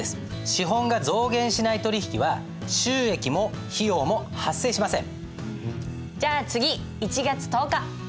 資本が増減しない取引は収益も費用も発生しません。